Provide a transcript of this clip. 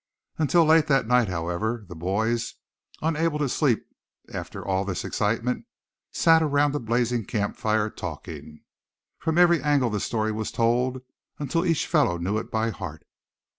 Until late that night, however, the boys, unable to sleep after all this excitement, sat around the blazing camp fire, talking. From every angle the story was told until each fellow knew it by heart.